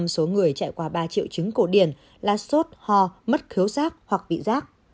năm mươi số người chạy qua ba triệu chứng cổ điển là sốt hò mất khiếu giác hoặc vị giác